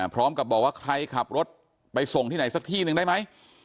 พร้อมกับบอกว่าใครขับรถไปส่งที่ไหนสักที่หนึ่งได้ไหม